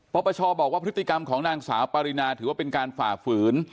ปปชบอกว่าพฤติกรรมของนางสาวปารินาถือว่าเป็นการฝ่าฝืน